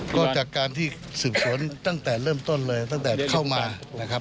ก็จากการที่สืบสวนตั้งแต่เริ่มต้นเลยตั้งแต่เข้ามานะครับ